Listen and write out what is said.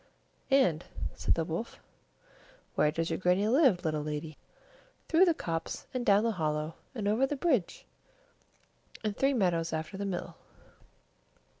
"And," said the wolf, "where does your good Grannie live, little lady?" "Through the copse, and down the hollow, and over the bridge, and three meadows after the mill."